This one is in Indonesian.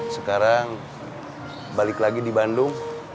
sekarang balik lagi di bandung